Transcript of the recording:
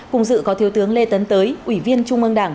cùng dự có thiếu tướng lê tấn tới ủy viên trung ương đảng